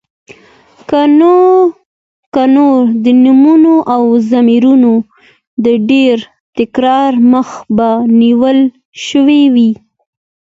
که نو د نومونو او ضميرونو د ډېر تکرار مخه به نيول شوې وې.